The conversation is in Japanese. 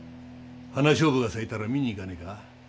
花菖蒲が咲いたら見にいかねえか？